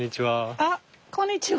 あっこんにちは。